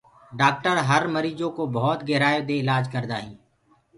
ڊآڪٿر مرجو ڪو ڀوت گهرآيو دي اِلآج ڪردآ هينٚ۔